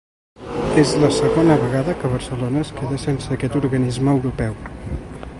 És la segona vegada que Barcelona es queda sense aquest organisme europeu.